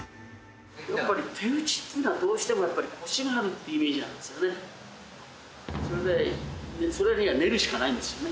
手打ちっていうのは、どうしてもやっぱりこしがあるっていうイメージなんですよね。